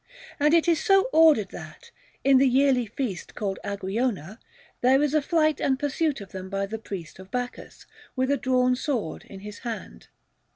And it is so ordered that, in the yearly feast called Agrionia, there is a flight and pursuit of them by the priest of Bacchus, with a drawn sword in his hand.